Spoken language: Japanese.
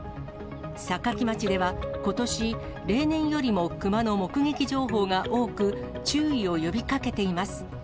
坂城町ではことし、例年よりもクマの目撃情報が多く、注意を呼びかけています。